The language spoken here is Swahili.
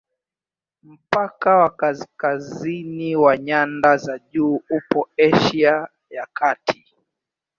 Mpaka wa kaskazini wa nyanda za juu upo Asia ya Kati.